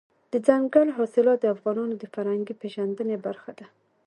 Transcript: دځنګل حاصلات د افغانانو د فرهنګي پیژندنې برخه ده.